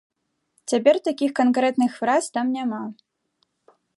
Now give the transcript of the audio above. Цяпер такіх канкрэтных фраз там няма.